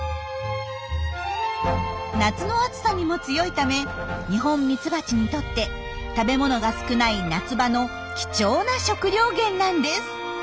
夏の暑さにも強いためニホンミツバチにとって食べ物が少ない夏場の貴重な食料源なんです。